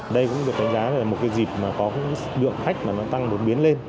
đây cũng được đánh giá là một dịp có lượng khách tăng một biến lên